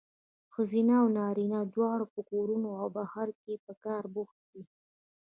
ښځینه او نارینه دواړه په کورونو او بهر کې په کار بوخت دي.